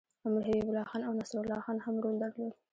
امیر حبیب الله خان او نصرالله خان هم رول درلود.